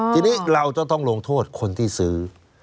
ทีนี้เราต้องลงโทษคนที่ซื้อ